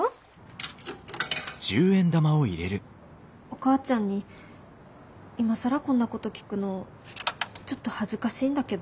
お母ちゃんに今更こんなこと聞くのちょっと恥ずかしいんだけど。